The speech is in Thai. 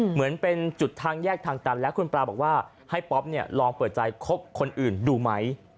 เหมือนเป็นจุดทางแยกทางตันแล้วคุณปลาบอกว่าให้ป๊อปเนี่ยลองเปิดใจคบคนอื่นดูไหม